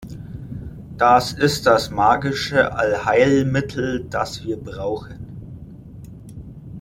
Das ist das magische Allheilmittel, das wir brauchen.